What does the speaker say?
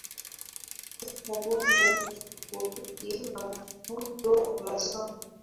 katika bonde la tropiki la Mto Amazon